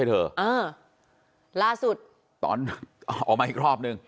เธอเออล่าสุดตอนออกมาอีกรอบนึง